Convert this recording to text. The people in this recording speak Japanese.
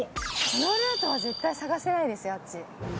このルートは絶対探せないですよ。